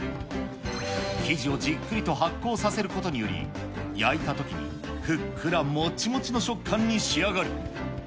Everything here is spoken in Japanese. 生地をじっくりと発酵させることにより、焼いたときに、ふっくらもちもちの食感に仕上がる。